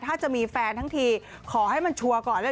ถ้าจะมีแฟนทั้งทีขอให้มันชัวร์ก่อนด้วย